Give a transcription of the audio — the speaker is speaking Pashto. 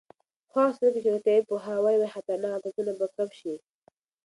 په هغه صورت کې چې روغتیایي پوهاوی وي، خطرناک عادتونه به کم شي.